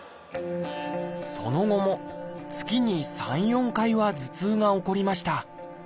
その後も月に３４回は頭痛が起こりました。